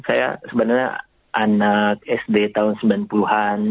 saya sebenarnya anak sd tahun sembilan puluh an